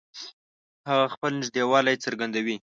هغه خپل نږدېوالی څرګندوي